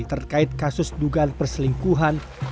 terkait kasus dugaan perselingkuhan